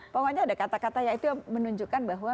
pokoknya ada kata kata yang itu menunjukkan bahwa